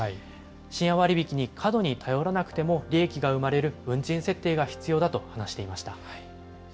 深夜割引に過度に頼らなくても利益が生まれる運賃設定が必要だと話していました。